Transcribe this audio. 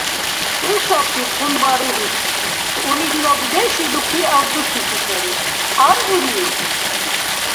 ХӀу сарри къунба ругьуси! Кьули дила дудешли дуки ардукибти сари. Аргъирив?